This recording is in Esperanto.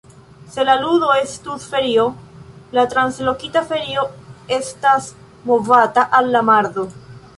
Se la lundo estus ferio, la translokita ferio estas movata al la mardo.